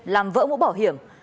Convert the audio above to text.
làm vỡ mũ bảo hiểm